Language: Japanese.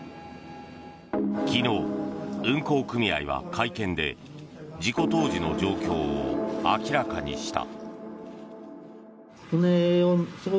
昨日、運航組合は会見で事故当時の状況を明らかにした。